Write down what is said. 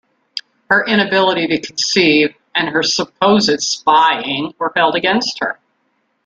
Her inability to conceive and her supposed spying were held against her.